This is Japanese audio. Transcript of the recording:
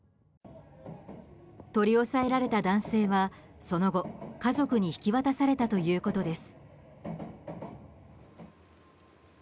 取り押さえられた男性は、その後家族に引き渡されたということです。